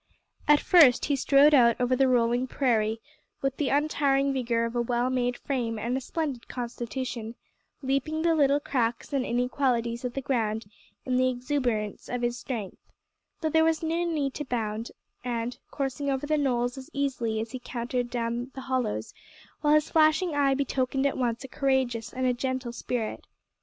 At first he strode out over the rolling prairie with the untiring vigour of a well made frame and a splendid constitution, leaping the little cracks and inequalities of the ground in the exuberance of his strength; though there was no need to bound, and coursing over the knolls as easily as he cantered down the hollows, while his flashing eye betokened at once a courageous and a gentle spirit.